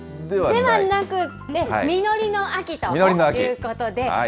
ではなくって、実りの秋ということで。